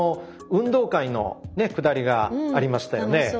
運動会のくだりがありましたよね。